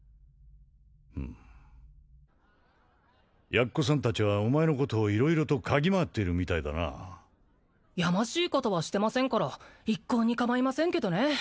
うんやっこさん達はお前のことを色々と嗅ぎ回っているみたいだなやましいことはしてませんから一向にかまいませんけどね